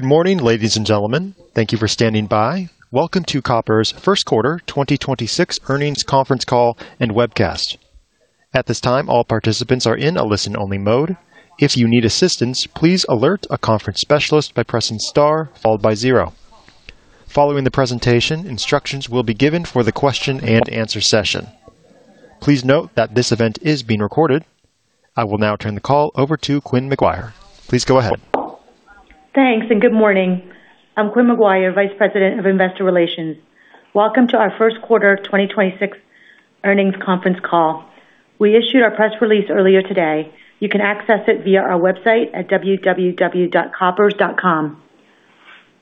Good morning, ladies and gentlemen. Thank you for standing by. Welcome to Koppers' first quarter 2026 earnings conference call and webcast. At this time, all participants are in a listen-only mode. If you need assistance, please alert a conference specialist by pressing star followed by zero. Following the presentation, instructions will be given for the question-and-answer session. Please note that this event is being recorded. I will now turn the call over to Quynh McGuire. Please go ahead. Thanks, good morning. I'm Quynh McGuire, Vice President of Investor Relations. Welcome to our first quarter 2026 earnings conference call. We issued our press release earlier today. You can access it via our website at www.koppers.com.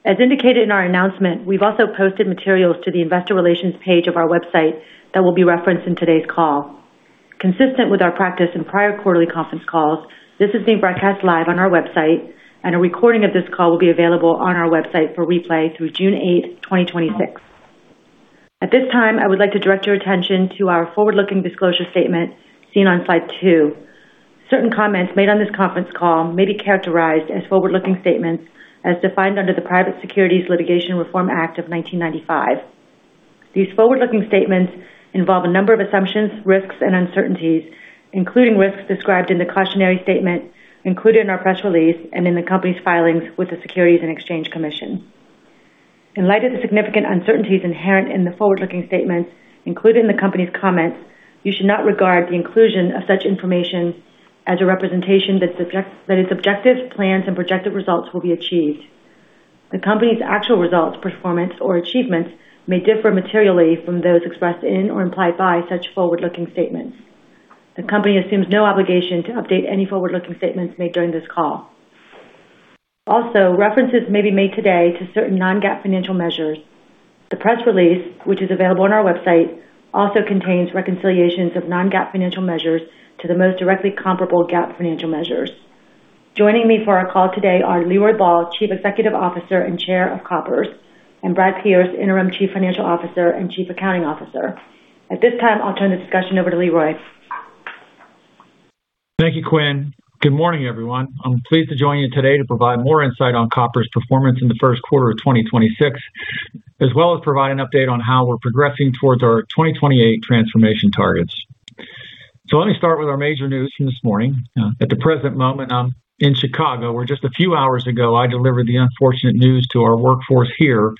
As indicated in our announcement, we've also posted materials to the Investor Relations page of our website that will be referenced in today's call. Consistent with our practice in prior quarterly conference calls, this is being broadcast live on our website, and a recording of this call will be available on our website for replay through June 8, 2026. At this time, I would like to direct your attention to our forward-looking disclosure statement seen on slide two. Certain comments made on this conference call may be characterized as forward-looking statements as defined under the Private Securities Litigation Reform Act of 1995. These forward-looking statements involve a number of assumptions, risks, and uncertainties, including risks described in the cautionary statement included in our press release and in the company's filings with the Securities and Exchange Commission. In light of the significant uncertainties inherent in the forward-looking statements included in the company's comments, you should not regard the inclusion of such information as a representation that its objectives, plans, and projected results will be achieved. The company's actual results, performance, or achievements may differ materially from those expressed in or implied by such forward-looking statements. The company assumes no obligation to update any forward-looking statements made during this call. Also, references may be made today to certain non-GAAP financial measures. The press release, which is available on our website, also contains reconciliations of non-GAAP financial measures to the most directly comparable GAAP financial measures. Joining me for our call today are Leroy Ball, Chief Executive Officer and Chair of Koppers, and Brad Pearce, Interim Chief Financial Officer and Chief Accounting Officer. At this time, I'll turn the discussion over to Leroy. Thank you, Quynh. Good morning, everyone. I'm pleased to join you today to provide more insight on Koppers' performance in the first quarter of 2026, as well as provide an update on how we're progressing towards our 2028 transformation targets. Let me start with our major news from this morning. At the present moment, I'm in Chicago, where just a few hours ago, I delivered the unfortunate news to our workforce here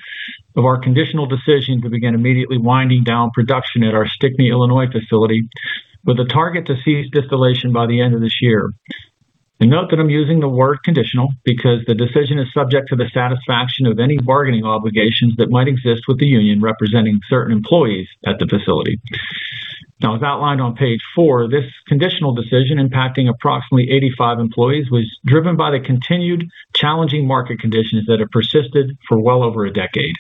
of our conditional decision to begin immediately winding down production at our Stickney, Illinois facility with a target to cease distillation by the end of this year. Note that I'm using the word conditional because the decision is subject to the satisfaction of any bargaining obligations that might exist with the union representing certain employees at the facility. As outlined on page four, this conditional decision impacting approximately 85 employees was driven by the continued challenging market conditions that have persisted for well over a decade.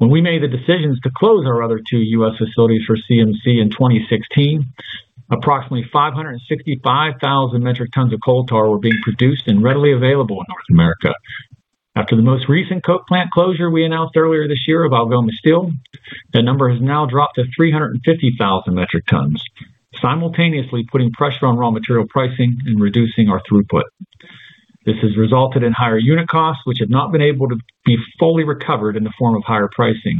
When we made the decisions to close our other two U.S. facilities for CMC in 2016, approximately 565,000 metric tons of coal tar were being produced and readily available in North America. After the most recent coke plant closure we announced earlier this year of Algoma Steel, that number has now dropped to 350,000 metric tons, simultaneously putting pressure on raw material pricing and reducing our throughput. This has resulted in higher unit costs, which have not been able to be fully recovered in the form of higher pricing.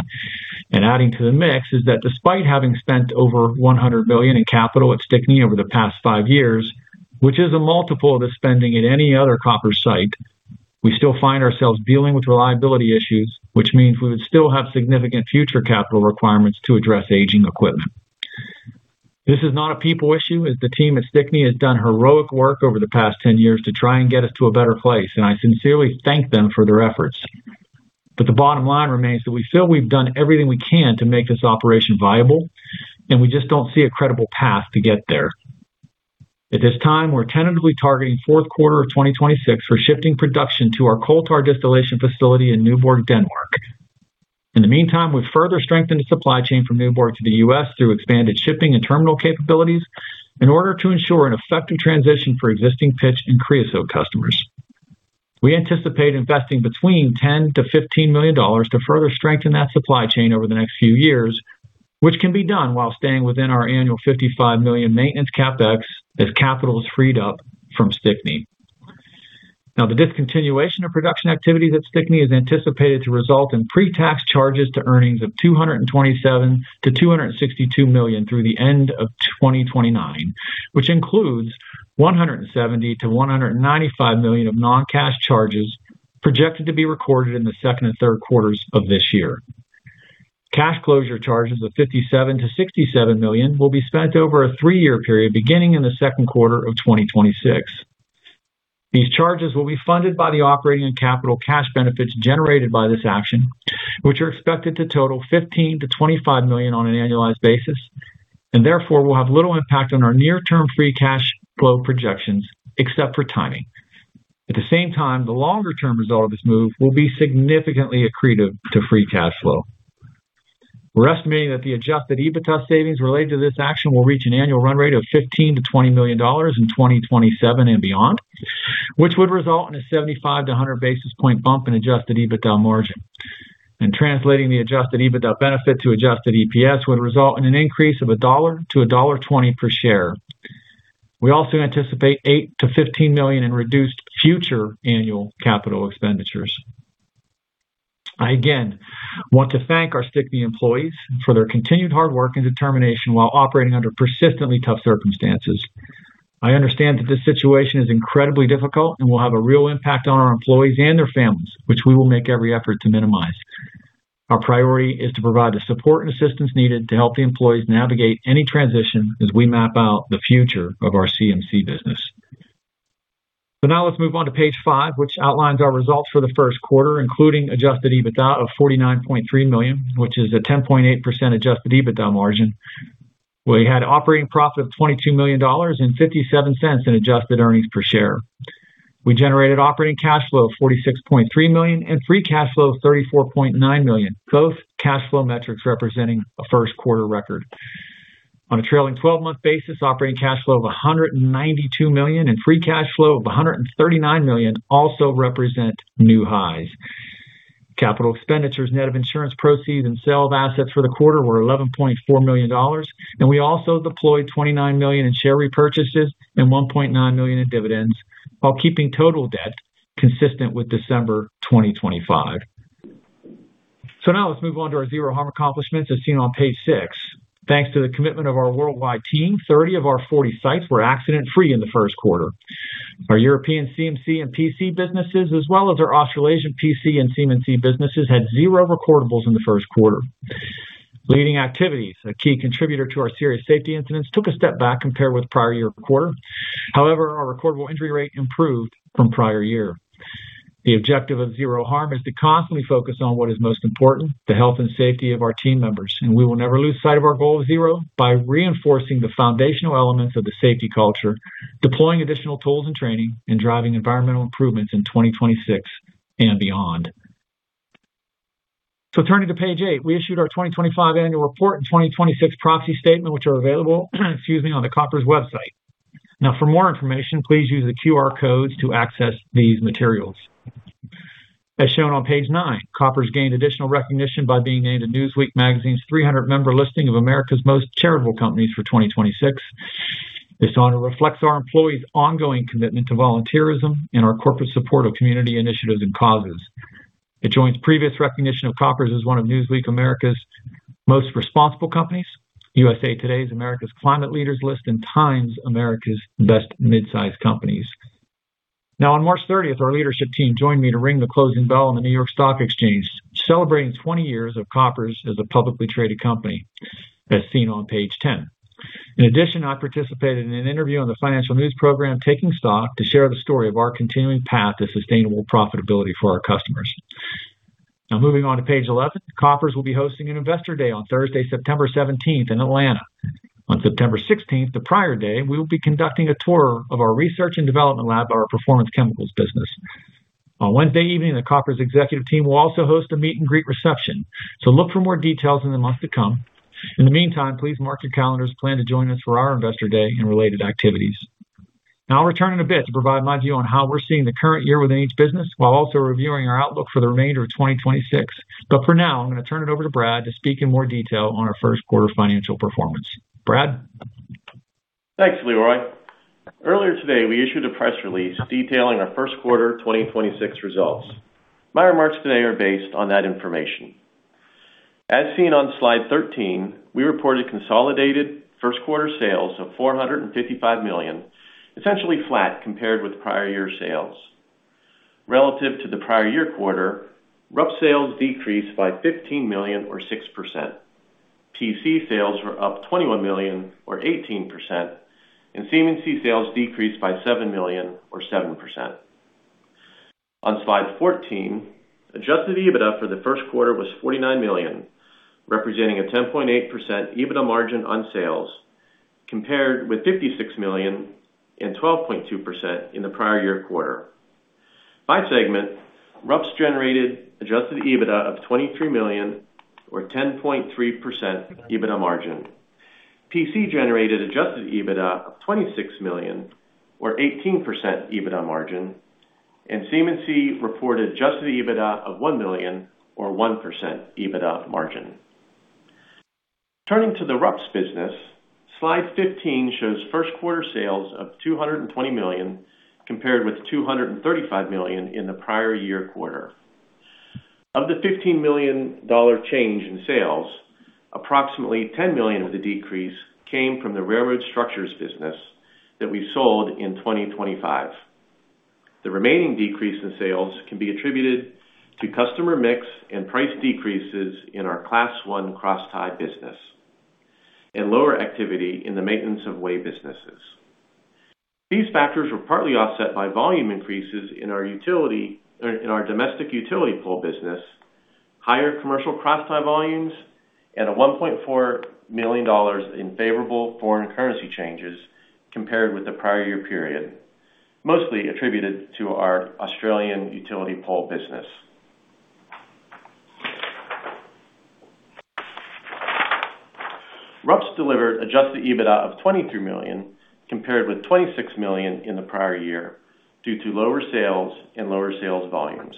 Adding to the mix is that despite having spent over $100 million in capital at Stickney over the past five years, which is a multiple of the spending at any other Koppers site, we still find ourselves dealing with reliability issues, which means we would still have significant future capital requirements to address aging equipment. This is not a people issue, as the team at Stickney has done heroic work over the past 10 years to try and get us to a better place, and I sincerely thank them for their efforts. The bottom line remains that we feel we've done everything we can to make this operation viable, and we just don't see a credible path to get there. At this time, we're tentatively targeting fourth quarter of 2026 for shifting production to our coal tar distillation facility in Nyborg, Denmark. In the meantime, we've further strengthened the supply chain from Nyborg to the U.S. through expanded shipping and terminal capabilities in order to ensure an effective transition for existing pitch and creosote customers. We anticipate investing between $10 million-$15 million to further strengthen that supply chain over the next few years, which can be done while staying within our annual $55 million maintenance CapEx as capital is freed up from Stickney. The discontinuation of production activities at Stickney is anticipated to result in pre-tax charges to earnings of $227 million-$262 million through the end of 2029, which includes $170 million-$195 million of non-cash charges projected to be recorded in the second and third quarters of this year. Cash closure charges of $57 million-$67 million will be spent over a three-year period beginning in the second quarter of 2026. These charges will be funded by the operating and capital cash benefits generated by this action, which are expected to total $15 million-$25 million on an annualized basis, and therefore will have little impact on our near-term free cash flow projections, except for timing. At the same time, the longer-term result of this move will be significantly accretive to free cash flow. We're estimating that the adjusted EBITDA savings related to this action will reach an annual run rate of $15 million-$20 million in 2027 and beyond, which would result in a 75 basis points-100 basis point bump in adjusted EBITDA margin. Translating the adjusted EBITDA benefit to adjusted EPS would result in an increase of $1.00 to $1.20 per share. We also anticipate $8 million-$15 million in reduced future annual capital expenditures. I again want to thank our Stickney employees for their continued hard work and determination while operating under persistently tough circumstances. I understand that this situation is incredibly difficult and will have a real impact on our employees and their families, which we will make every effort to minimize. Our priority is to provide the support and assistance needed to help the employees navigate any transition as we map out the future of our CMC business. Now let's move on to page five, which outlines our results for the first quarter, including adjusted EBITDA of $49.3 million, which is a 10.8% adjusted EBITDA margin. We had operating profit of $22 million and $0.57 in adjusted earnings per share. We generated operating cash flow of $46.3 million and free cash flow of $34.9 million, both cash flow metrics representing a first quarter record. On a trailing 12-month basis, operating cash flow of $192 million and free cash flow of $139 million also represent new highs. Capital expenditures, net of insurance proceeds and sale of assets for the quarter were $11.4 million. We also deployed $29 million in share repurchases and $1.9 million in dividends while keeping total debt consistent with December 2025. Now let's move on to our Zero Harm accomplishments as seen on page six. Thanks to the commitment of our worldwide team, 30 of our 40 sites were accident-free in the first quarter. Our European CMC and PC businesses, as well as our Australasian PC and CMC businesses, had zero recordables in the first quarter. Leading activities, a key contributor to our serious safety incidents, took a step back compared with prior year quarter. However, our recordable injury rate improved from prior year. The objective of Zero Harm is to constantly focus on what is most important, the health and safety of our team members. We will never lose sight of our goal of zero by reinforcing the foundational elements of the safety culture, deploying additional tools and training, and driving environmental improvements in 2026 and beyond. Turning to page eight, we issued our 2025 annual report and 2026 proxy statement, which are available, excuse me, on the Koppers website. Now for more information, please use the QR codes to access these materials. As shown on page nine, Koppers gained additional recognition by being named in Newsweek magazine's 300-member listing of America's Most Charitable Companies for 2026. This honor reflects our employees' ongoing commitment to volunteerism and our corporate support of community initiatives and causes. It joins previous recognition of Koppers as one of Newsweek America's Most Responsible Companies, USA Today's America's Climate Leaders list, and TIME America's Best Midsize Companies. Now on March 30, our leadership team joined me to ring the closing bell on the New York Stock Exchange, celebrating 20 years of Koppers as a publicly traded company, as seen on page 10. In addition, I participated in an interview on the financial news program, Taking Stock, to share the story of our continuing path to sustainable profitability for our customers. Moving on to page 11, Koppers will be hosting an Investor Day on Thursday, September 17th in Atlanta. On September 16th, the prior day, we will be conducting a tour of our research and development lab, our performance chemicals business. On Wednesday evening, the Koppers executive team will also host a meet and greet reception. Look for more details in the months to come. In the meantime, please mark your calendars, plan to join us for our Investor Day and related activities. I'll return in a bit to provide my view on how we're seeing the current year within each business while also reviewing our outlook for the remainder of 2026. For now, I'm gonna turn it over to Brad to speak in more detail on our first quarter financial performance. Brad? Thanks, Leroy. Earlier today, we issued a press release detailing our first quarter 2026 results. My remarks today are based on that information. As seen on slide 13, we reported consolidated first quarter sales of $455 million, essentially flat compared with prior year sales. Relative to the prior year quarter, RUPS sales decreased by $15 million or 6%. PC sales were up $21 million or 18%, and CMC sales decreased by $7 million or 7%. On slide 14, adjusted EBITDA for the first quarter was $49 million, representing a 10.8% EBITDA margin on sales, compared with $56 million and 12.2% in the prior year quarter. By segment, RUPS generated adjusted EBITDA of $23 million or 10.3% EBITDA margin. PC generated adjusted EBITDA of $26 million or 18% EBITDA margin, and CMC reported adjusted EBITDA of $1 million or 1% EBITDA margin. Turning to the RUPS business, slide 15 shows first quarter sales of $220 million compared with $235 million in the prior year quarter. Of the $15 million change in sales, approximately $10 million of the decrease came from the Railroad Structures business that we sold in 2025. The remaining decrease in sales can be attributed to customer mix and price decreases in our Class I cross tie business and lower activity in the maintenance of way businesses. These factors were partly offset by volume increases in our domestic utility pole business, higher commercial cross tie volumes, and a $1.4 million in favorable foreign currency changes compared with the prior year period, mostly attributed to our Australian utility pole business. RUPS delivered adjusted EBITDA of $23 million, compared with $26 million in the prior year due to lower sales and lower sales volumes.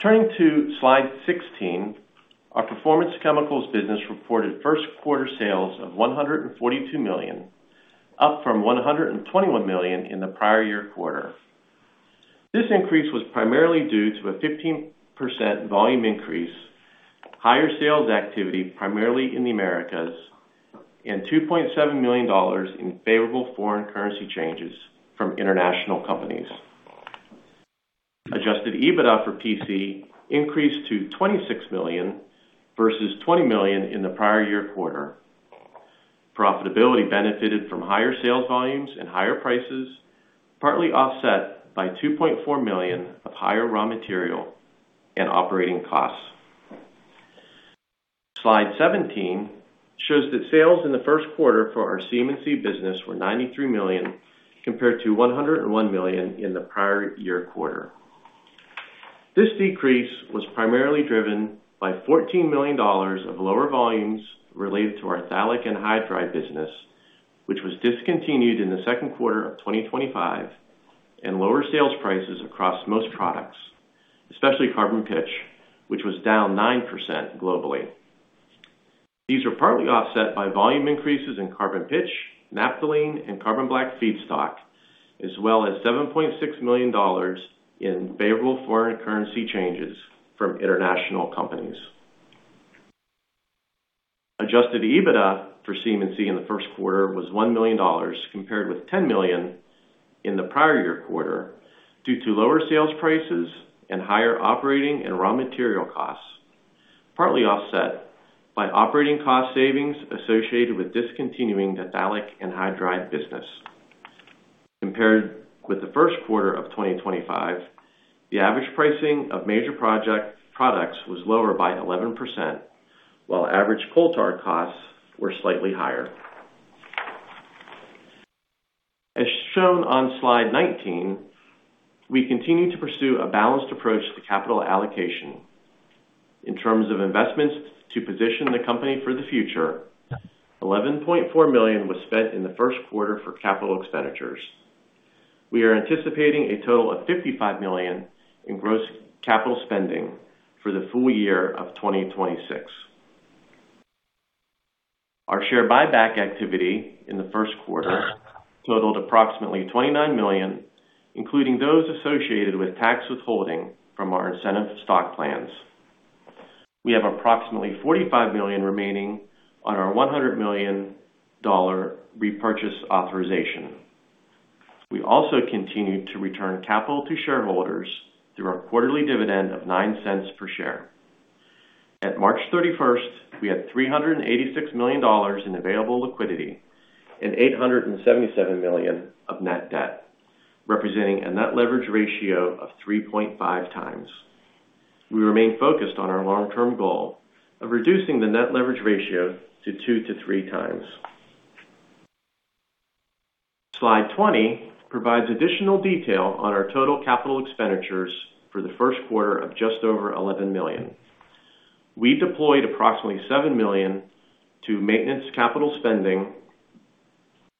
Turning to slide 16, our Performance Chemicals business reported first quarter sales of $142 million, up from $121 million in the prior year quarter. This increase was primarily due to a 15% volume increase, higher sales activity, primarily in the Americas, and $2.7 million in favorable foreign currency changes from international companies. Adjusted EBITDA for PC increased to $26 million, versus $20 million in the prior year quarter. Profitability benefited from higher sales volumes and higher prices, partly offset by $2.4 million of higher raw material and operating costs. Slide 17 shows that sales in the first quarter for our CMC business were $93 million, compared to $101 million in the prior year quarter. This decrease was primarily driven by $14 million of lower volumes related to our phthalic anhydride business, which was discontinued in the second quarter of 2025, and lower sales prices across most products, especially carbon pitch, which was down 9% globally. These were partly offset by volume increases in carbon pitch, naphthalene, and carbon black feedstock, as well as $7.6 million in favorable foreign currency changes from international companies. Adjusted EBITDA for CMC in the first quarter was $1 million, compared with $10 million in the prior year quarter, due to lower sales prices and higher operating and raw material costs, partly offset by operating cost savings associated with discontinuing the phthalic anhydride business. Compared with the first quarter of 2025, the average pricing of major project, products was lower by 11%, while average coal tar costs were slightly higher. As shown on slide 19, we continue to pursue a balanced approach to capital allocation. In terms of investments to position the company for the future, $11.4 million was spent in the first quarter for capital expenditures. We are anticipating a total of $55 million in gross capital spending for the full year of 2026. Our share buyback activity in the first quarter totaled approximately $29 million, including those associated with tax withholding from our incentive stock plans. We have approximately $45 million remaining on our $100 million repurchase authorization. We also continued to return capital to shareholders through our quarterly dividend of $0.09 per share. At March 31st, we had $386 million in available liquidity and $877 million of net debt, representing a net leverage ratio of 3.5x. We remain focused on our long-term goal of reducing the net leverage ratio to 2x-3x. Slide 20 provides additional detail on our total capital expenditures for the first quarter of just over $11 million. We deployed approximately $7 million to maintenance capital spending,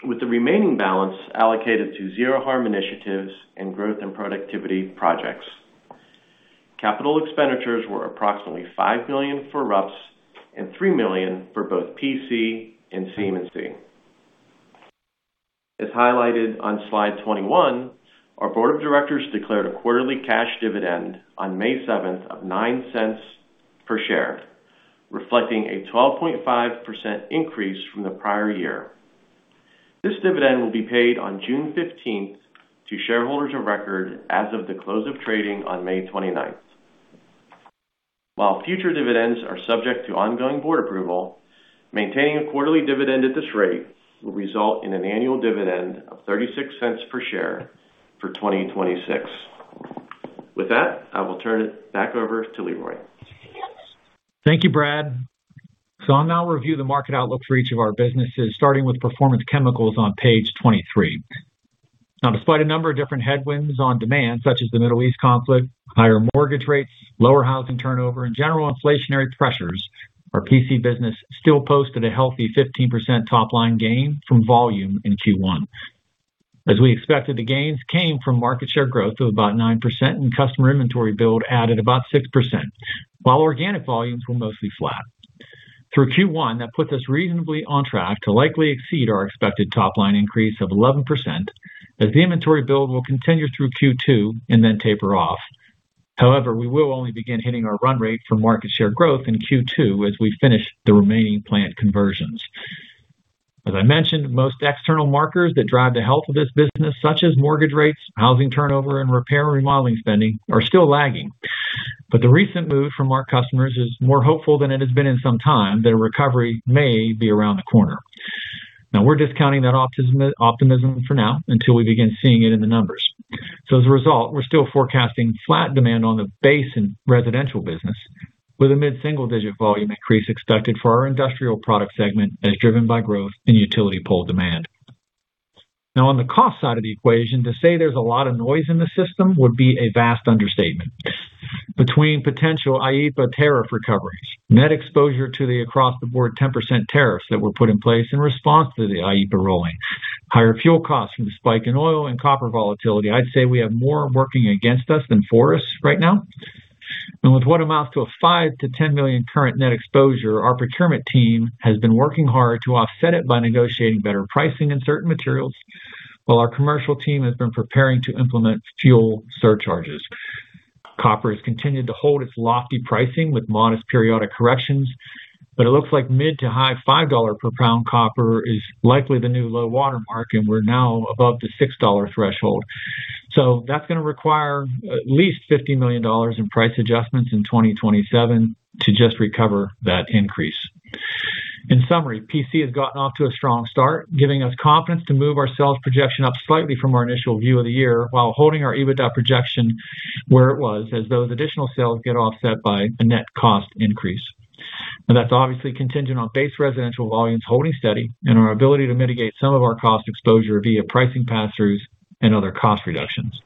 with the remaining balance allocated to Zero Harm initiatives and growth and productivity projects. Capital expenditures were approximately $5 million for RUPS and $3 million for both PC and CMC. As highlighted on slide 21, our Board of Directors declared a quarterly cash dividend on May 7th of $0.09 per share, reflecting a 12.5% increase from the prior year. This dividend will be paid on June 15th to shareholders of record as of the close of trading on May 29. While future dividends are subject to ongoing Board approval, maintaining a quarterly dividend at this rate will result in an annual dividend of $0.36 per share for 2026. With that, I will turn it back over to Leroy. Thank you, Brad. I'll now review the market outlook for each of our businesses, starting with Performance Chemicals on page 23. Now, despite a number of different headwinds on demand, such as the Middle East conflict, higher mortgage rates, lower housing turnover and general inflationary pressures, our PC business still posted a healthy 15% top line gain from volume in Q1. As we expected, the gains came from market share growth of about 9% and customer inventory build added about 6%, while organic volumes were mostly flat. Through Q1, that put us reasonably on track to likely exceed our expected top line increase of 11%, as the inventory build will continue through Q2 and then taper off. However, we will only begin hitting our run rate for market share growth in Q2 as we finish the remaining plant conversions. As I mentioned, most external markers that drive the health of this business, such as mortgage rates, housing turnover, and repair/remodeling spending, are still lagging. The recent move from our customers is more hopeful than it has been in some time that a recovery may be around the corner. We're discounting that optimism for now until we begin seeing it in the numbers. As a result, we're still forecasting flat demand on the base and residential business with a mid-single-digit volume increase expected for our Industrial Product segment as driven by growth in utility pole demand. On the cost side of the equation, to say there's a lot of noise in the system would be a vast understatement. Between potential IEEPA tariff recoveries, net exposure to the across-the-board 10% tariffs that were put in place in response to the IEEPA ruling, higher fuel costs from the spike in oil and copper volatility. I'd say we have more working against us than for us right now. With what amounts to a $5 million-$10 million current net exposure, our procurement team has been working hard to offset it by negotiating better pricing in certain materials, while our commercial team has been preparing to implement fuel surcharges. Copper has continued to hold its lofty pricing with modest periodic corrections, but it looks like mid to high $5 per pound copper is likely the new low water mark, and we're now above the $6 threshold. That's gonna require at least $50 million in price adjustments in 2027 to just recover that increase. In summary, PC has gotten off to a strong start, giving us confidence to move our sales projection up slightly from our initial view of the year while holding our EBITDA projection where it was as those additional sales get offset by a net cost increase. That's obviously contingent on base residential volumes holding steady and our ability to mitigate some of our cost exposure via pricing pass-throughs and other cost reductions.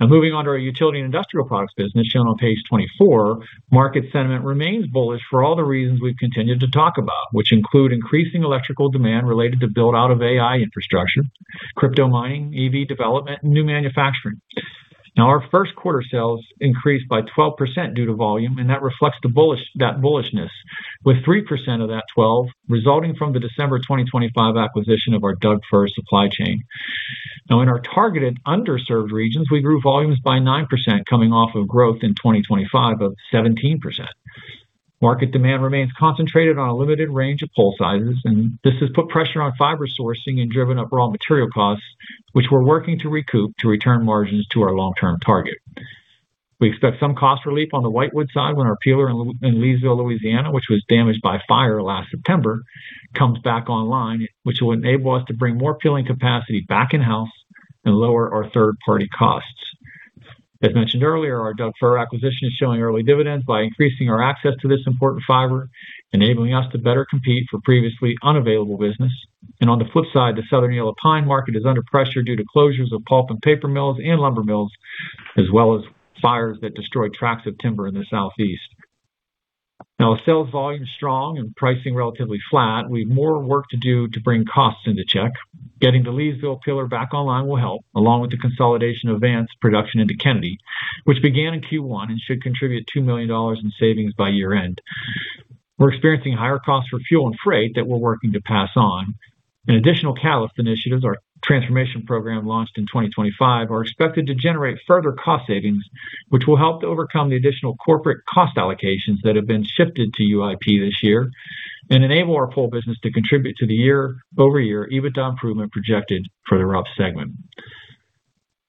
Moving on to our Utility & Industrial Products business shown on page 24, market sentiment remains bullish for all the reasons we've continued to talk about, which include increasing electrical demand related to build-out of AI infrastructure, crypto mining, EV development, and new manufacturing. Now, our first quarter sales increased by 12% due to volume, and that reflects that bullishness, with 3% of that 12% resulting from the December 2025 acquisition of our Doug Fir supply chain. Now in our targeted underserved regions, we grew volumes by 9% coming off of growth in 2025 of 17%. Market demand remains concentrated on a limited range of pole sizes, and this has put pressure on fiber sourcing and driven up raw material costs, which we're working to recoup to return margins to our long-term target. We expect some cost relief on the whitewood side when our peeler in Leesville, Louisiana, which was damaged by fire last September, comes back online, which will enable us to bring more peeling capacity back in-house and lower our third-party costs. As mentioned earlier, our Doug Fir acquisition is showing early dividends by increasing our access to this important fiber, enabling us to better compete for previously unavailable business. On the flip side, the Southern Yellow Pine market is under pressure due to closures of pulp and paper mills and lumber mills, as well as fires that destroyed tracts of timber in the Southeast. With sales volume strong and pricing relatively flat, we have more work to do to bring costs into check. Getting the Leesville peeler back online will help, along with the consolidation of Vance production into Kennedy, which began in Q1 and should contribute $2 million in savings by year-end. We're experiencing higher costs for fuel and freight that we're working to pass on. Additional Catalyst initiatives, our transformation program launched in 2025, are expected to generate further cost savings, which will help to overcome the additional corporate cost allocations that have been shifted to UIP this year and enable our pole business to contribute to the year-over-year EBITDA improvement projected for the RUPS segment.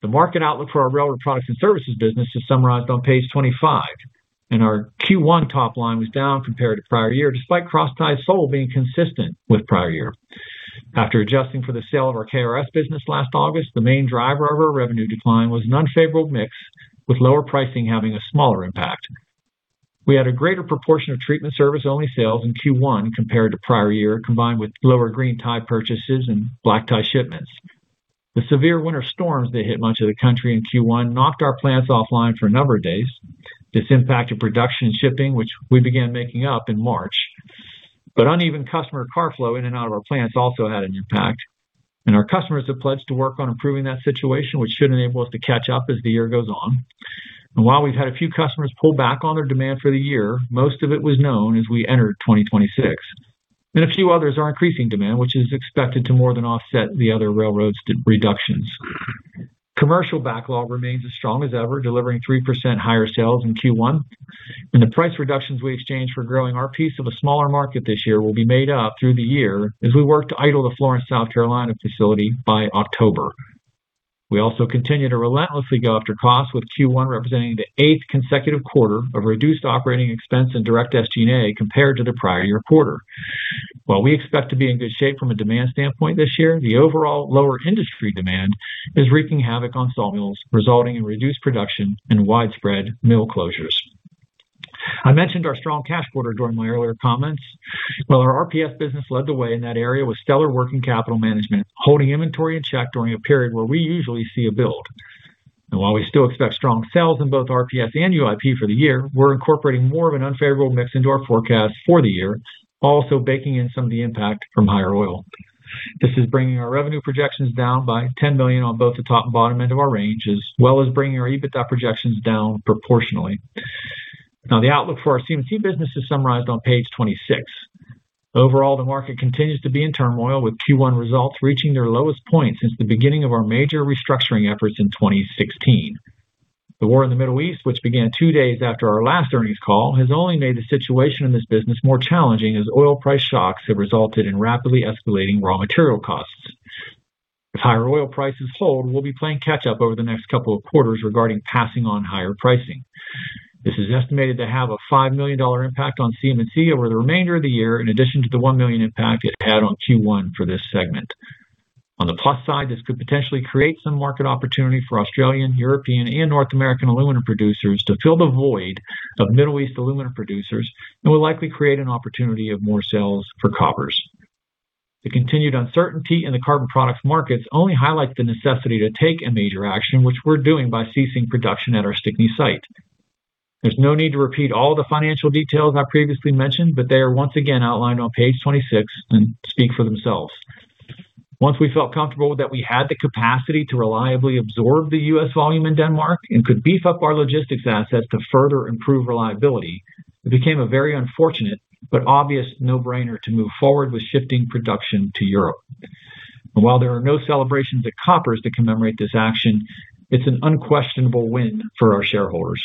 The market outlook for our Railroad Products and Services business is summarized on page 25. Our Q1 top line was down compared to prior year, despite crossties sold being consistent with prior year. After adjusting for the sale of our KRS business last August, the main driver of our revenue decline was an unfavorable mix, with lower pricing having a smaller impact. We had a greater proportion of treatment service only sales in Q1 compared to prior year, combined with lower green tie purchases and black tie shipments. The severe winter storms that hit much of the country in Q1 knocked our plants offline for a number of days. This impacted production and shipping, which we began making up in March. Uneven customer car flow in and out of our plants also had an impact, and our customers have pledged to work on improving that situation, which should enable us to catch up as the year goes on. While we've had a few customers pull back on their demand for the year, most of it was known as we entered 2026. A few others are increasing demand, which is expected to more than offset the other railroads reductions. Commercial backlog remains as strong as ever, delivering 3% higher sales in Q1. The price reductions we exchanged for growing our piece of a smaller market this year will be made up through the year as we work to idle the Florence, South Carolina, facility by October. We also continue to relentlessly go after costs, with Q1 representing the eigth consecutive quarter of reduced operating expense and direct SG&A compared to the prior year quarter. While we expect to be in good shape from a demand standpoint this year, the overall lower industry demand is wreaking havoc on sawmills, resulting in reduced production and widespread mill closures. I mentioned our strong cash quarter during my earlier comments. Our RPS business led the way in that area with stellar working capital management, holding inventory in check during a period where we usually see a build. While we still expect strong sales in both RPS and UIP for the year, we're incorporating more of an unfavorable mix into our forecast for the year, also baking in some of the impact from higher oil. This is bringing our revenue projections down by $10 million on both the top and bottom end of our range, as well as bringing our EBITDA projections down proportionally. The outlook for our CMC business is summarized on page 26. Overall, the market continues to be in turmoil, with Q1 results reaching their lowest point since the beginning of our major restructuring efforts in 2016. The war in the Middle East, which began two days after our last earnings call, has only made the situation in this business more challenging as oil price shocks have resulted in rapidly escalating raw material costs. If higher oil prices hold, we'll be playing catch-up over the next couple of quarters regarding passing on higher pricing. This is estimated to have a $5 million impact on CMC over the remainder of the year, in addition to the $1 million impact it had on Q1 for this segment. On the plus side, this could potentially create some market opportunity for Australian, European, and North American aluminum producers to fill the void of Middle East aluminum producers and will likely create an opportunity of more sales for Koppers. The continued uncertainty in the carbon products markets only highlight the necessity to take a major action, which we're doing by ceasing production at our Stickney site. There's no need to repeat all the financial details I previously mentioned, but they are once again outlined on page 26 and speak for themselves. Once we felt comfortable that we had the capacity to reliably absorb the U.S. volume in Denmark and could beef up our logistics assets to further improve reliability, it became a very unfortunate but obvious no-brainer to move forward with shifting production to Europe. While there are no celebrations at Koppers to commemorate this action, it's an unquestionable win for our shareholders.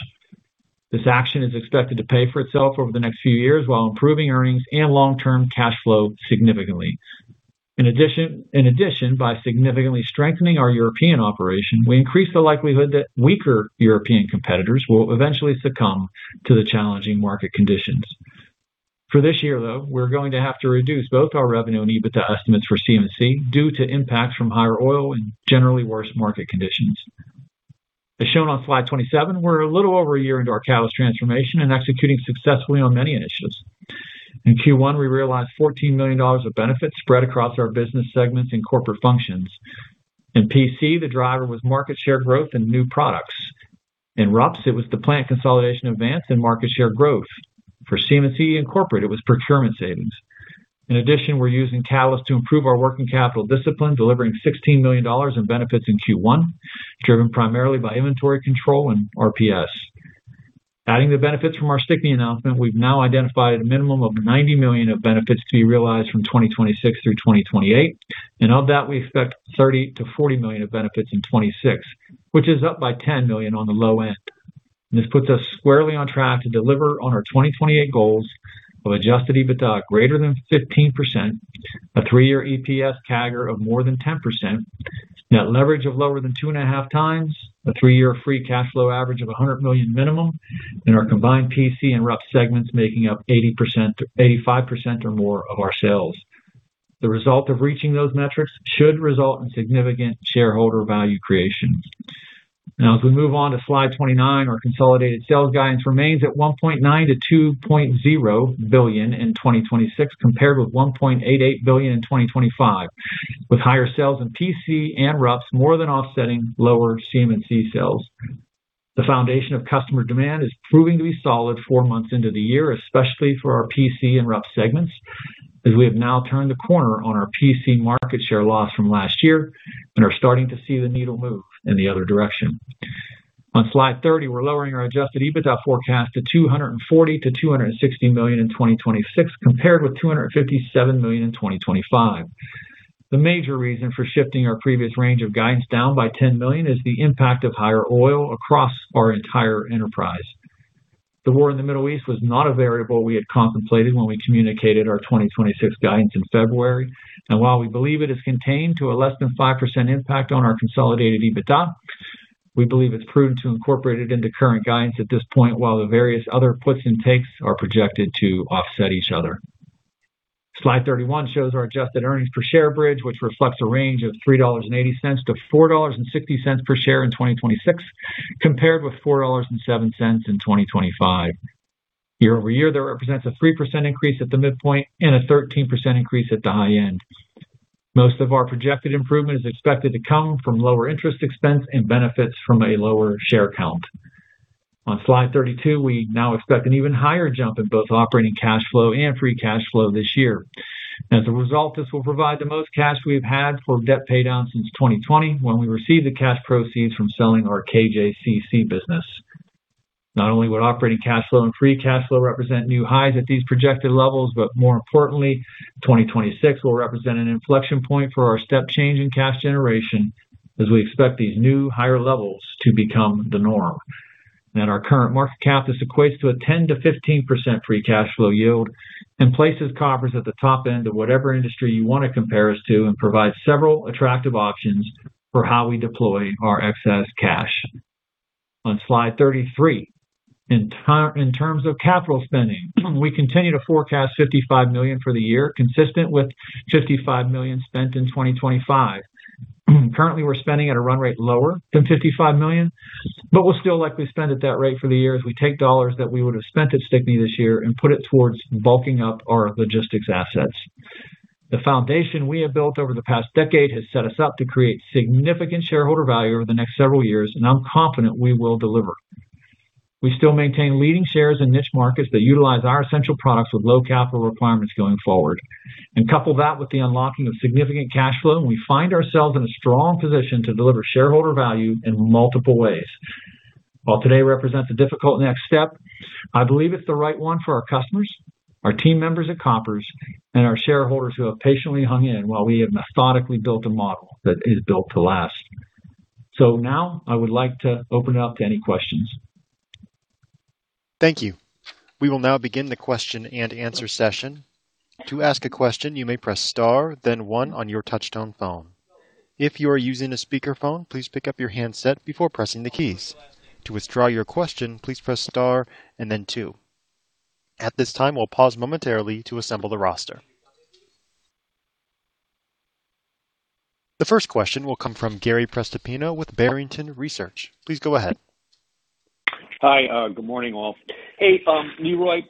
This action is expected to pay for itself over the next few years while improving earnings and long-term cash flow significantly. In addition, by significantly strengthening our European operation, we increase the likelihood that weaker European competitors will eventually succumb to the challenging market conditions. For this year, though, we're going to have to reduce both our revenue and EBITDA estimates for CMC due to impacts from higher oil and generally worse market conditions. As shown on slide 27, we're a little over a year into our Catalyst transformation and executing successfully on many initiatives. In Q1, we realized $14 million of benefits spread across our business segments and corporate functions. In PC, the driver was market share growth and new products. In RUPS, it was the plant consolidation Vance and market share growth. For CMC, Inc., it was procurement savings. In addition, we're using Catalyst to improve our working capital discipline, delivering $16 million in benefits in Q1, driven primarily by inventory control and RPS. Adding the benefits from our Stickney announcement, we've now identified a minimum of $90 million of benefits to be realized from 2026 through 2028. Of that, we expect $30 million-$40 million of benefits in 2026, which is up by $10 million on the low end. This puts us squarely on track to deliver on our 2028 goals of adjusted EBITDA greater than 15%, a three-year EPS CAGR of more than 10%, net leverage of lower than 2.5x, a three-year free cash flow average of $100 million minimum, and our combined PC and RUPS segments making up 80%-85% or more of our sales. The result of reaching those metrics should result in significant shareholder value creation. As we move on to slide 29, our consolidated sales guidance remains at $1.9 billion-$2.0 billion in 2026, compared with $1.88 billion in 2025, with higher sales in PC and RUPS more than offsetting lower CMC sales. The foundation of customer demand is proving to be solid four months into the year, especially for our PC and RUPS segments, as we have now turned the corner on our PC market share loss from last year and are starting to see the needle move in the other direction. On slide 30, we're lowering our adjusted EBITDA forecast to $240 million-$260 million in 2026, compared with $257 million in 2025. The major reason for shifting our previous range of guidance down by $10 million is the impact of higher oil across our entire enterprise. The war in the Middle East was not a variable we had contemplated when we communicated our 2026 guidance in February. While we believe it is contained to a less than 5% impact on our consolidated EBITDA, we believe it's prudent to incorporate it into current guidance at this point while the various other puts and takes are projected to offset each other. Slide 31 shows our adjusted earnings per share bridge, which reflects a range of $3.80-$4.60 per share in 2026, compared with $4.07 in 2025. Year-over-year, that represents a 3% increase at the midpoint and a 13% increase at the high end. Most of our projected improvement is expected to come from lower interest expense and benefits from a lower share count. On slide 32, we now expect an even higher jump in both operating cash flow and free cash flow this year. As a result, this will provide the most cash we've had for debt paydown since 2020, when we received the cash proceeds from selling our KJCC business. Not only would operating cash flow and free cash flow represent new highs at these projected levels, but more importantly, 2026 will represent an inflection point for our step change in cash generation as we expect these new higher levels to become the norm. At our current market cap, this equates to a 10%-15% free cash flow yield and places Koppers at the top end of whatever industry you wanna compare us to and provide several attractive options for how we deploy our excess cash. On slide 33, in terms of capital spending, we continue to forecast $55 million for the year, consistent with $55 million spent in 2025. Currently, we're spending at a run rate lower than $55 million. We'll still likely spend at that rate for the year as we take dollars that we would have spent at Stickney this year and put it towards bulking up our logistics assets. The foundation we have built over the past decade has set us up to create significant shareholder value over the next several years. I'm confident we will deliver. We still maintain leading shares in niche markets that utilize our essential products with low capital requirements going forward. Couple that with the unlocking of significant cash flow, and we find ourselves in a strong position to deliver shareholder value in multiple ways. While today represents a difficult next step, I believe it's the right one for our customers, our team members at Koppers, and our shareholders who have patiently hung in while we have methodically built a model that is built to last. Now I would like to open it up to any questions. Thank you. We will now begin the question-and-answer session. To ask the question, you may press star then one on your touchtone phone. If your using a speaker phone, please pick up your handset before pressing the keys. To withdraw your question, please press star then two. At this time, we'll pause momentarily to assemble the roster. The first question will come from Gary Prestopino with Barrington Research. Please go ahead. Hi. good morning, all. Hey, Leroy.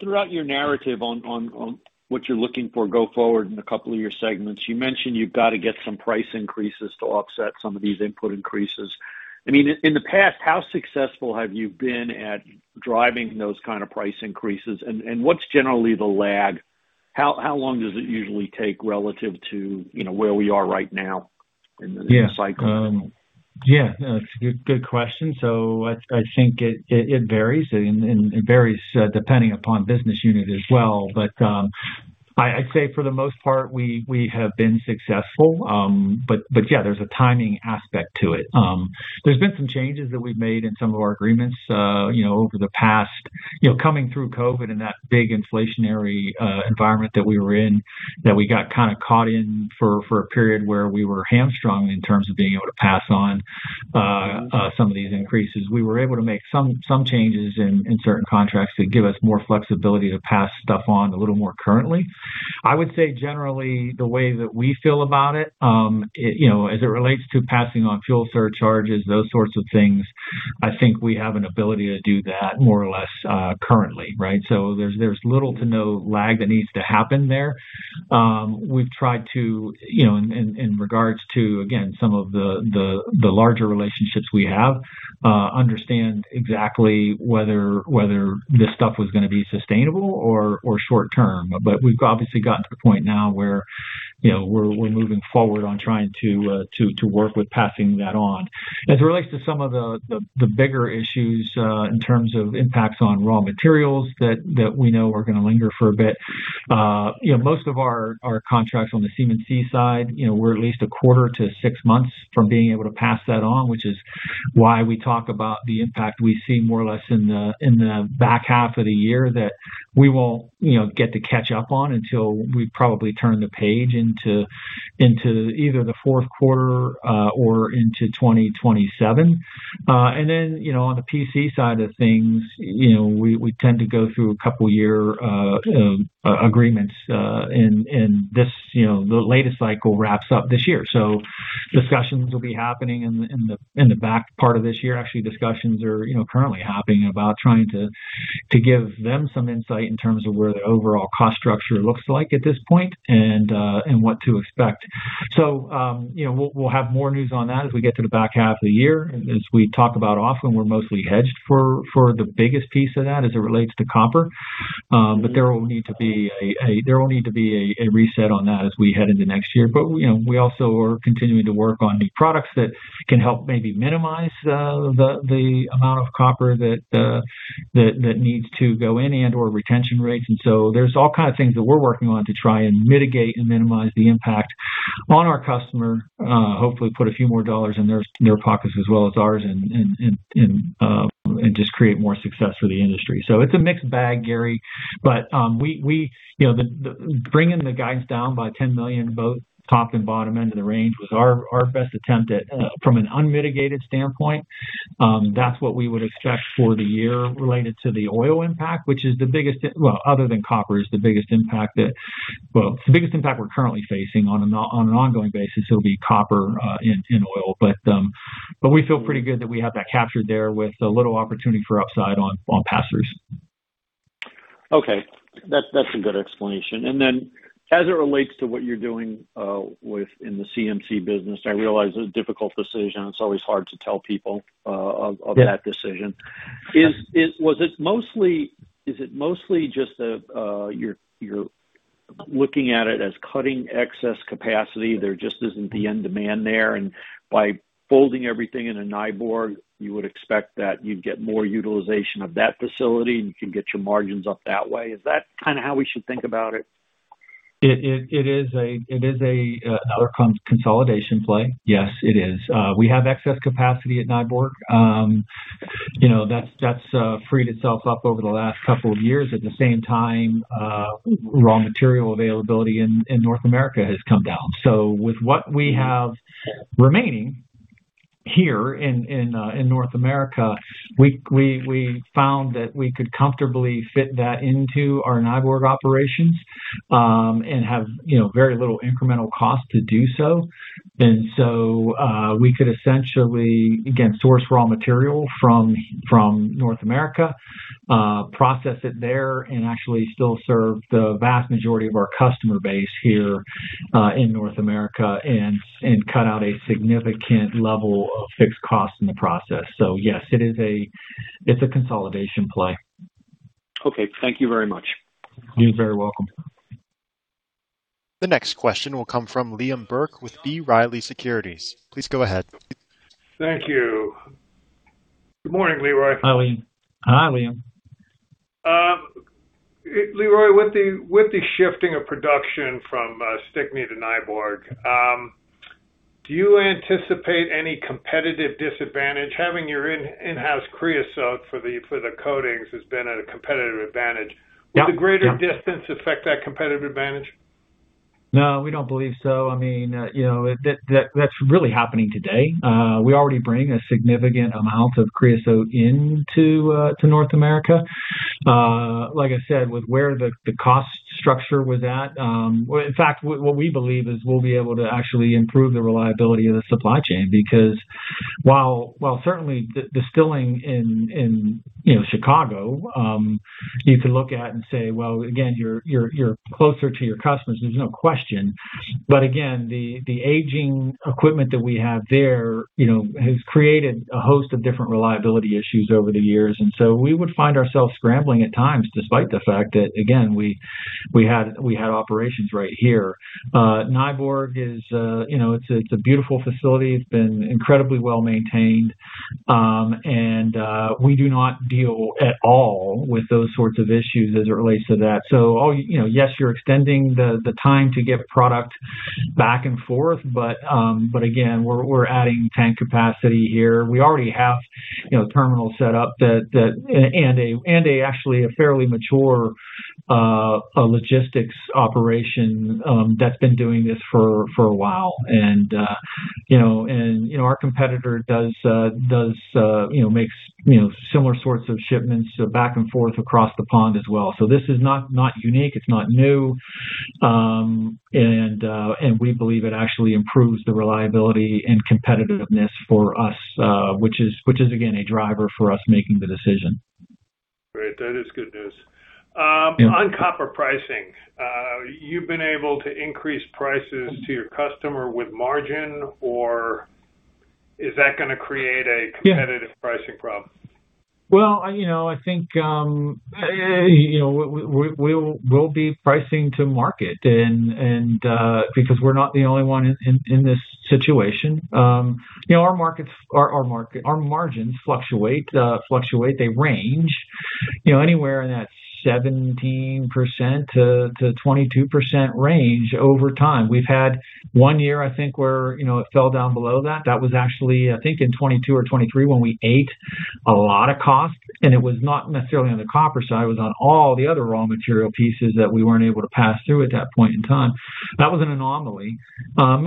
Throughout your narrative on what you're looking for go forward in a couple of your segments, you mentioned you've got to get some price increases to offset some of these input increases. I mean, in the past, how successful have you been at driving those kind of price increases? What's generally the lag? How long does it usually take relative to, you know, where we are right now in the cycle? Yeah. Yeah, no, it's a good question. I think it varies and it varies depending upon business unit as well. I'd say for the most part, we have been successful. Yeah, there's a timing aspect to it. There's been some changes that we've made in some of our agreements, you know, over the past, you know, coming through COVID and that big inflationary environment that we were in, that we got kind of caught in for a period where we were hamstrung in terms of being able to pass on some of these increases. We were able to make some changes in certain contracts that give us more flexibility to pass stuff on a little more currently. I would say generally the way that we feel about it, you know, as it relates to passing on fuel surcharges, those sorts of things, I think we have an ability to do that more or less currently, right? There's little to no lag that needs to happen there. We've tried to, you know, in regards to, again, some of the larger relationships we have, understand exactly whether this stuff was gonna be sustainable or short term. We've obviously gotten to the point now where, you know, we're moving forward on trying to work with passing that on. As it relates to some of the bigger issues, in terms of impacts on raw materials that we know are gonna linger for a bit, you know, most of our contracts on the CMC side, you know, we're at least a quarter to six months from being able to pass that on, which is why we talk about the impact we see more or less in the back half of the year that we won't, you know, get to catch up on until we probably turn the page into either the fourth quarter or into 2027. You know, on the PC side of things, you know, we tend to go through a couple year agreements. This, you know, the latest cycle wraps up this year. Discussions will be happening in the back part of this year. Actually, discussions are, you know, currently happening about trying to give them some insight in terms of where the overall cost structure looks like at this point and what to expect. You know, we'll have more news on that as we get to the back half of the year. As we talk about often, we're mostly hedged for the biggest piece of that as it relates to copper. There will need to be a reset on that as we head into next year. You know, we also are continuing to work on new products that can help maybe minimize the amount of copper that needs to go in and/or retention rates. There's all kinds of things that we're working on to try and mitigate and minimize the impact on our customer, hopefully put a few more dollars in their pockets as well as ours and just create more success for the industry. It's a mixed bag, Gary. We, you know, the bringing the guidance down by $10 million, both top and bottom end of the range, was our best attempt at from an unmitigated standpoint, that's what we would expect for the year related to the oil impact, which, other than copper, is the biggest impact we're currently facing on an ongoing basis. It'll be copper and oil. We feel pretty good that we have that captured there with a little opportunity for upside on pass-throughs. Okay. That's a good explanation. Then as it relates to what you're doing, in the CMC business, I realize it's a difficult decision, it's always hard to tell people, of that decision. Yeah. Is it mostly just that you're looking at it as cutting excess capacity, there just isn't the end demand there, and by folding everything into Nyborg, you would expect that you'd get more utilization of that facility and you can get your margins up that way? Is that kinda how we should think about it? It is a other consolidation play. Yes, it is. We have excess capacity at Nyborg. You know, that's freed itself up over the last couple of years. At the same time, raw material availability in North America has come down. With what we have remaining here in North America, we found that we could comfortably fit that into our Nyborg operations, and have, you know, very little incremental cost to do so. We could essentially, again, source raw material from North America, process it there, and actually still serve the vast majority of our customer base here in North America and cut out a significant level of fixed costs in the process. Yes, it's a consolidation play. Okay. Thank you very much. You're very welcome. The next question will come from Liam Burke with B. Riley Securities. Please go ahead. Thank you. Good morning, Leroy. Hi. Hi, Liam. Leroy, with the shifting of production from Stickney to Nyborg, do you anticipate any competitive disadvantage? Having your in-house creosote for the coatings has been at a competitive advantage. Yeah. Will the greater distance affect that competitive advantage? No, we don't believe so. I mean, you know, that's really happening today. We already bring a significant amount of creosote into North America. Like I said, with where the cost structure was at. Well, in fact, what we believe is we'll be able to actually improve the reliability of the supply chain. While certainly distilling in, you know, Chicago, you can look at and say, well, again, you're closer to your customers, there's no question. But again, the aging equipment that we have there, you know, has created a host of different reliability issues over the years. So we would find ourselves scrambling at times despite the fact that, again, we had operations right here. Nyborg is, you know, it's a beautiful facility. It's been incredibly well-maintained. We do not deal at all with those sorts of issues as it relates to that. You know, yes, you're extending the time to get product back and forth, but again, we're adding tank capacity here. We already have, you know, terminals set up that And a actually a fairly mature logistics operation that's been doing this for a while. You know, and you know, our competitor does, you know, makes, you know, similar sorts of shipments back and forth across the pond as well. This is not unique, it's not new. We believe it actually improves the reliability and competitiveness for us, which is again, a driver for us making the decision. Great. That is good news. Yeah. On Koppers pricing, you've been able to increase prices to your customer with margin or is that gonna create a competitive pricing problem? Well, you know, I think, you know, we'll be pricing to market because we're not the only one in this situation. You know, our margins fluctuate. They range, you know, anywhere in that 17%-22% range over time. We've had one year, I think, where, you know, it fell down below that. That was actually, I think, in 2022 or 2023 when we ate a lot of cost, it was not necessarily on the Koppers side. It was on all the other raw material pieces that we weren't able to pass through at that point in time. That was an anomaly.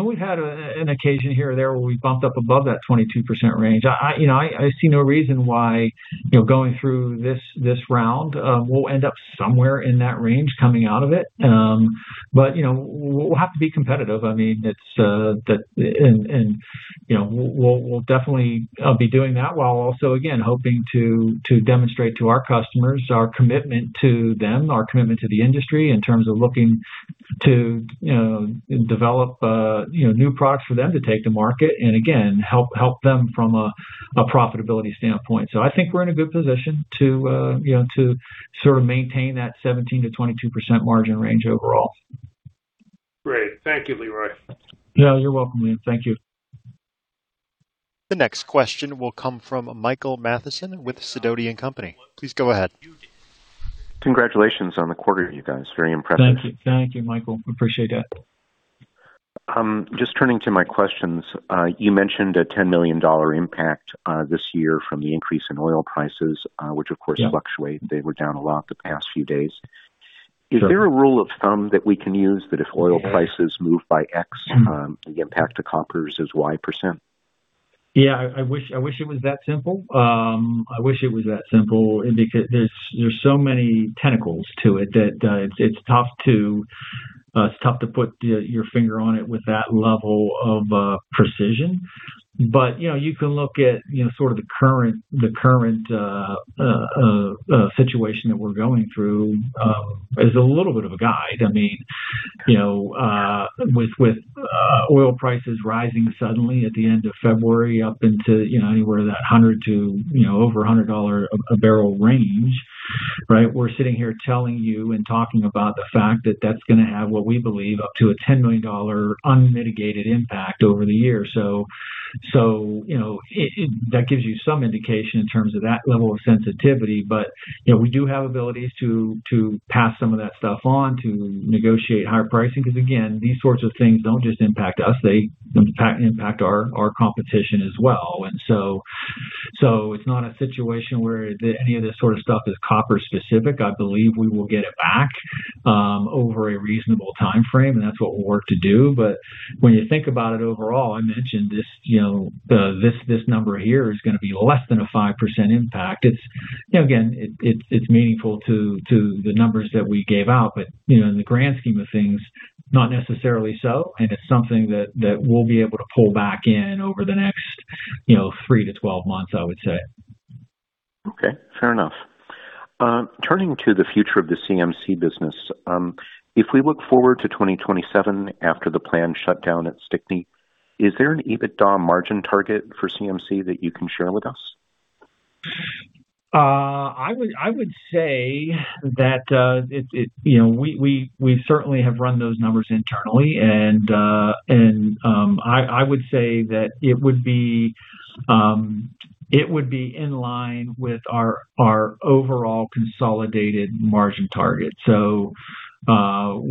We've had an occasion here or there where we bumped up above that 22% range. I, you know, I see no reason why, you know, going through this round, we'll end up somewhere in that range coming out of it. You know, we'll have to be competitive. I mean, you know, we'll definitely be doing that while also again, hoping to demonstrate to our customers our commitment to them, our commitment to the industry in terms of looking to, you know, develop, you know, new products for them to take to market, and again, help them from a profitability standpoint. I think we're in a good position to, you know, to sort of maintain that 17%-22% margin range overall. Great. Thank you, Leroy. Yeah, you're welcome, Liam. Thank you. The next question will come from Michael Mathison with Sidoti & Company. Please go ahead. Congratulations on the quarter, you guys. Very impressive. Thank you. Thank you, Michael. Appreciate that. Just turning to my questions. You mentioned a $10 million impact this year from the increase in oil prices, which of course fluctuate. They were down a lot the past few days. Sure. Is there a rule of thumb that we can use that if oil prices move by X, the impact to Koppers is Y percent? Yeah. I wish it was that simple. I wish it was that simple because there's so many tentacles to it that it's tough to put your finger on it with that level of precision. You know, you can look at, you know, sort of the current situation that we're going through as a little bit of a guide. I mean, you know, with oil prices rising suddenly at the end of February up into, you know, anywhere that $100 to, you know, over $100 a barrel range, right? We're sitting here telling you and talking about the fact that that's gonna have what we believe up to a $10 million unmitigated impact over the year. You know, that gives you some indication in terms of that level of sensitivity. You know, we do have abilities to pass some of that stuff on, to negotiate higher pricing, because again, these sorts of things don't just impact us, they impact our competition as well. It's not a situation where any of this sort of stuff is Koppers specific. I believe we will get it back over a reasonable timeframe, and that's what we'll work to do. When you think about it overall, I mentioned this, you know, this number here is going to be less than a 5% impact. It's, you know, again, it's meaningful to the numbers that we gave out, but, you know, in the grand scheme of things, not necessarily so. It's something that we'll be able to pull back in over the next, you know, three months-12 months, I would say. Okay. Fair enough. Turning to the future of the CMC business. If we look forward to 2027 after the planned shutdown at Stickney, is there an EBITDA margin target for CMC that you can share with us? I would say that, you know, we certainly have run those numbers internally, and I would say that it would be in line with our overall consolidated margin target.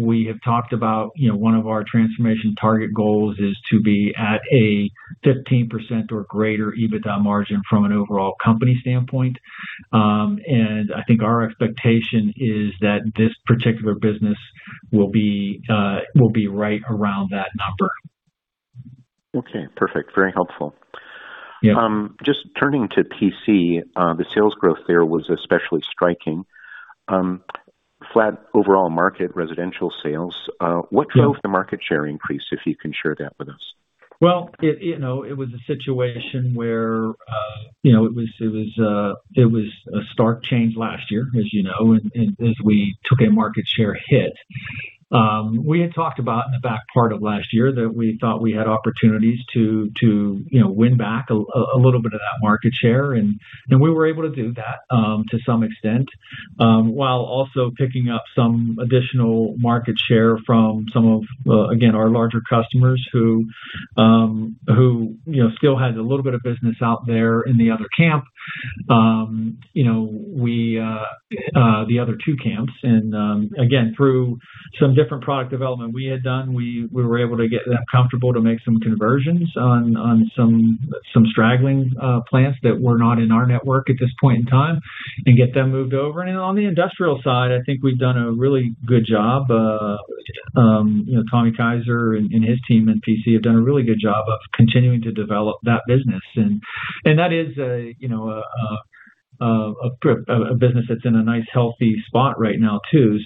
We have talked about, you know, one of our transformation target goals is to be at a 15% or greater EBITDA margin from an overall company standpoint. I think our expectation is that this particular business will be right around that number. Okay. Perfect. Very helpful. Yeah. Just turning to PC, the sales growth there was especially striking. Flat overall market residential sales. What drove the market share increase, if you can share that with us? Well, it, you know, it was a situation where, you know, it was, it was a stark change last year, as you know, and as we took a market share hit. We had talked about in the back part of last year that we thought we had opportunities to, you know, win back a little bit of that market share. We were able to do that to some extent while also picking up some additional market share from some of again, our larger customers who, you know, still had a little bit of business out there in the other camp. You know, we the other two camps, again, through some different product development we had done, we were able to get that comfortable to make conversions on some straggling plants that were not in our network at this point in time and get them moved over. On the industrial side, I think we've done a really good job, you know, Tom Kaiser and his team in PC have done a really good job of continuing to develop that business. That is a, you know, a business that's in a nice, healthy spot right now too.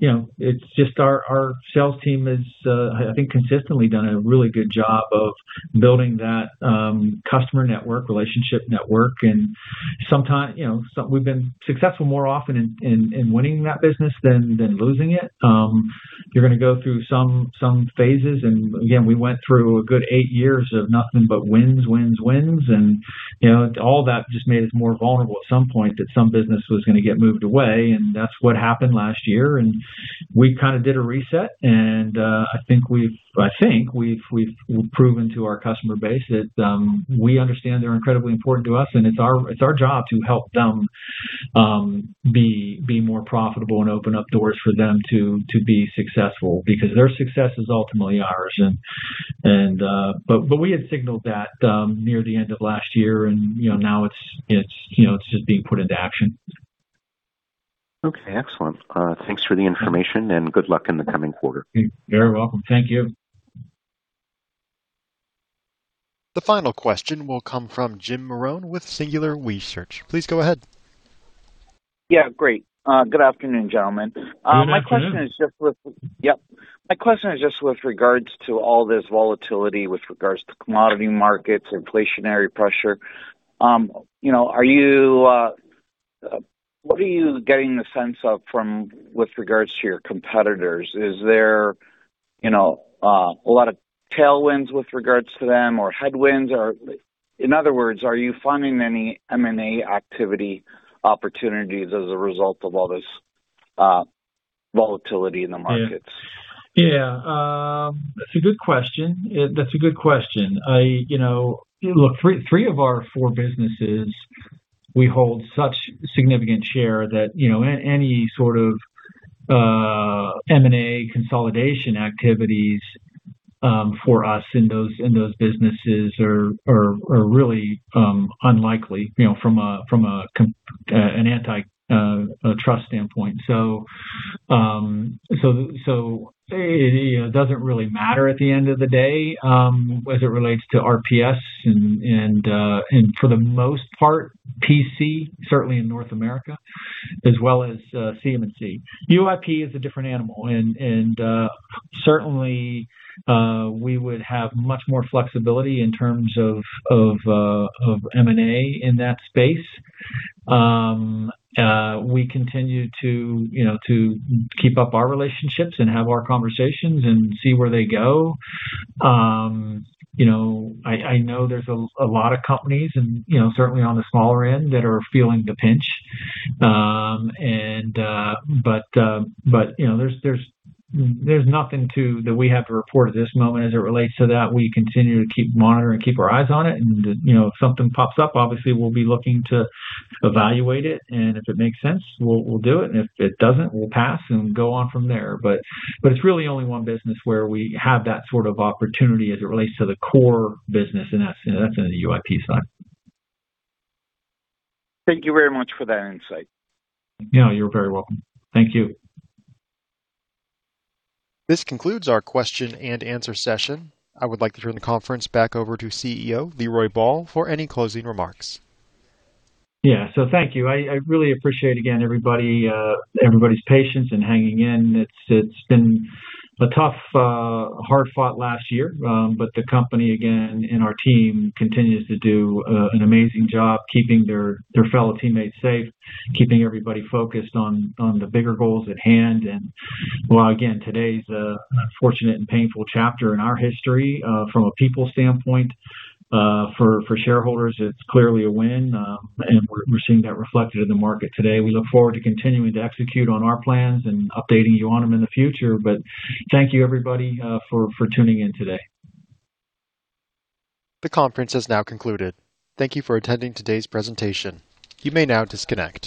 You know, it's just our sales team has, I think consistently done a really good job of building that customer network, relationship network. Sometimes, you know, we've been successful more often in winning that business than losing it. You're going to go through some phases. Again, we went through a good eight years of nothing but wins. You know, all that just made us more vulnerable at some point that some business was going to get moved away. That's what happened last year. We kind of did a reset. I think we've proven to our customer base that we understand they're incredibly important to us, and it's our, it's our job to help them be more profitable and open up doors for them to be successful because their success is ultimately ours. We had signaled that near the end of last year and, you know, now it's, you know, it's just being put into action. Okay, excellent. Thanks for the information, and good luck in the coming quarter. You're very welcome. Thank you. The final question will come from Jim Marrone with Singular Research. Please go ahead. Yeah. Great. Good afternoon, gentlemen. Good afternoon. My question is just with regards to all this volatility with regards to commodity markets, inflationary pressure. You know, are you, what are you getting the sense of from with regards to your competitors? Is there, you know, a lot of tailwinds with regards to them or headwinds? Or in other words, are you funding any M&A activity opportunities as a result of all this volatility in the markets? Yeah. Yeah. That's a good question. That's a good question. I, you know, look, three of our four businesses, we hold such significant share that, you know, any sort of M&A consolidation activities for us in those businesses are really unlikely, you know, from an anti-trust standpoint. It, you know, doesn't really matter at the end of the day, as it relates to RPS and for the most part, PC, certainly in North America, as well as CMC. UIP is a different animal and certainly we would have much more flexibility in terms of M&A in that space. We continue to, you know, to keep up our relationships and have our conversations and see where they go. You know, I know there's a lot of companies and, you know, certainly on the smaller end that are feeling the pinch. You know, there's nothing that we have to report at this moment as it relates to that. We continue to keep monitoring, keep our eyes on it, and, you know, if something pops up, obviously we'll be looking to evaluate it, and if it makes sense, we'll do it. If it doesn't, we'll pass and go on from there. It's really only one business where we have that sort of opportunity as it relates to the core business, and that's in the UIP side. Thank you very much for that insight. Yeah, you're very welcome. Thank you. This concludes our question-and-answer session. I would like to turn the conference back over to CEO Leroy Ball for any closing remarks. Yeah. Thank you. I really appreciate, again, everybody's patience in hanging in. It's been a tough, hard-fought last year. The company, again, and our team continues to do an amazing job keeping their fellow teammates safe, keeping everybody focused on the bigger goals at hand. While again, today's a unfortunate and painful chapter in our history, from a people standpoint, for shareholders, it's clearly a win. We're seeing that reflected in the market today. We look forward to continuing to execute on our plans and updating you on them in the future. Thank you everybody for tuning in today. The conference has now concluded. Thank you for attending today's presentation. You may now disconnect.